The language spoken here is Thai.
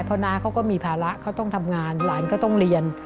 เพราะน้าเขาก็มีภาระเขาต้องทำงานหลานก็ต้องเรียน